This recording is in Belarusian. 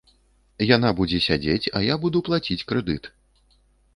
Яна будзе сядзець, а я буду плаціць крэдыт.